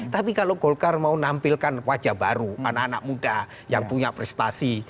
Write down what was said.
tapi kalau golkar mau nampilkan wajah baru anak anak muda yang punya prestasi